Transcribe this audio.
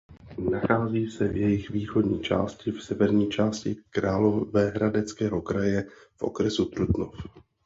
Nachází se v jejich východní části v severní části Královéhradeckého kraje v okresu Trutnov.